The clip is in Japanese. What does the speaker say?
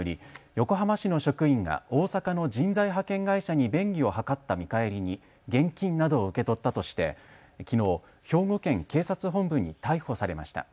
横浜市の職員が大阪の人材派遣会社に便宜を図った見返りに現金などを受け取ったとしてきのう兵庫県警察本部に逮捕されました。